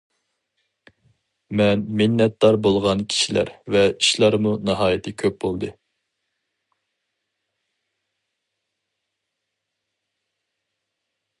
مەن مىننەتدار بولغان كىشىلەر ۋە ئىشلارمۇ ناھايىتى كۆپ بولدى.